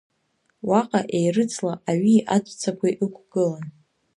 Уаҟа еирыӡла аҩи аҵәцақәеи ықәгылан.